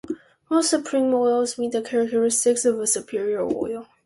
Most supreme oils meet the characteristics of a superior oil.